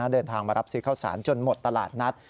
เดินทางมารับซื้อข้าวสารจนหมดตลาดนัด